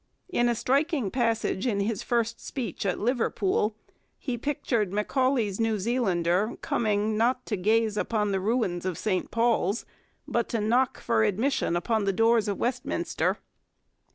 In a striking passage in his first speech at Liverpool he pictured Macaulay's New Zealander coming not to gaze upon the ruins of St Paul's but to knock for admission upon the doors of Westminster.